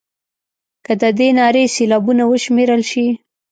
که د دې نارې سېلابونه وشمېرل شي.